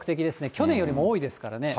去年よりも多いですからね。